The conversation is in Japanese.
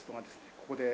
ここで。